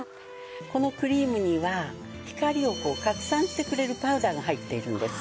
このクリームには光を拡散してくれるパウダーが入っているんです。